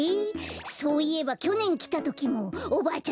そういえばきょねんきたときもおばあちゃんったら